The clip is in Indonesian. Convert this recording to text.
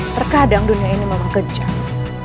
terkadang dunia ini memang kejang